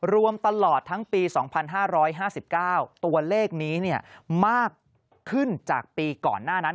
รวมตลอดทั้งปี๒๕๕๙ตัวเลขนี้มากขึ้นจากปีก่อนหน้านั้น